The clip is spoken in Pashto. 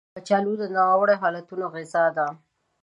کچالو د ناوړه حالتونو غذا ده